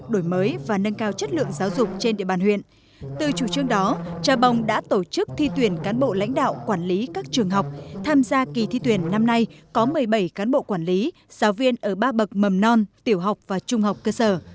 trước thi tuyển cán bộ lãnh đạo quản lý các trường học tham gia kỳ thi tuyển năm nay có một mươi bảy cán bộ quản lý giáo viên ở ba bậc mầm non tiểu học và trung học cơ sở